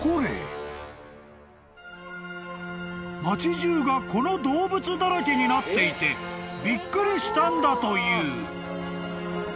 ［街じゅうがこの動物だらけになっていてびっくりしたんだという］